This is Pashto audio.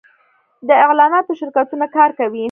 د اعلاناتو شرکتونه کار کوي